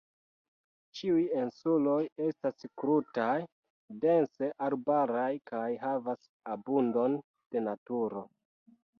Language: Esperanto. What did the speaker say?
Ĉiuj insuloj estas krutaj, dense arbaraj kaj havas abundon de naturo.